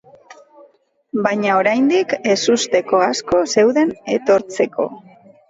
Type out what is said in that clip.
Baina oraindik ezusteko asko zeuden etortzeko.